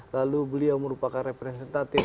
lalu beliau merupakan representatif